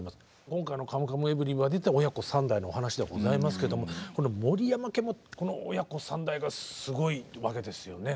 今回の「カムカムエヴリバディ」というのは親子３代のお話ではございますけどこの森山家もこの親子３代がすごいわけですよね